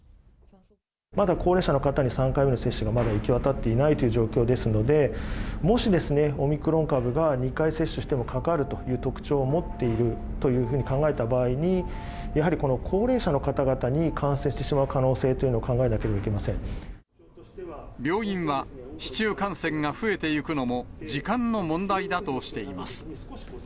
まだ高齢者の方に３回目の接種がまだ行き渡っていないという状況ですので、もし、オミクロン株が２回接種してもかかるという特徴を持っているというふうに考えた場合に、やはりこの高齢者の方々に感染してしまう可能性というのを考えな病院は、市中感染が増えていくのも、時間の問題だとしています。